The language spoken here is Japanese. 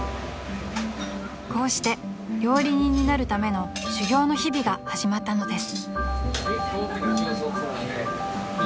［こうして料理人になるための修業の日々が始まったのです］